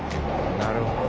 なるほど！